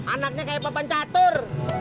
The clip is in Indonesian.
anaknya kayak papan catur